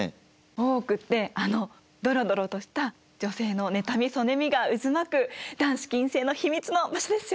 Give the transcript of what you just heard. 大奥ってあのドロドロとした女性の妬みそねみが渦巻く男子禁制の秘密の場所ですよね！